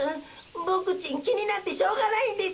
ボクちんきになってしょうがないんです。